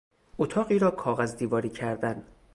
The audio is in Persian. اتاقی را کاغذ دیواری کردن